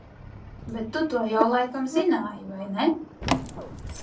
Bet tu to jau laikam zināji vai ne?